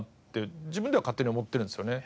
自分では勝手に思ってるんですよね。